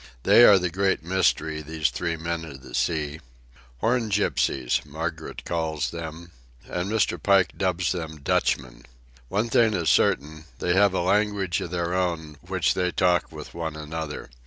They are the great mystery, these three men of the sea. "Horn Gypsies," Margaret calls them; and Mr. Pike dubs them "Dutchmen." One thing is certain, they have a language of their own which they talk with one another.